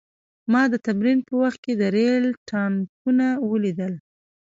ما د تمرین په وخت کې د ریل ټانکونه ولیدل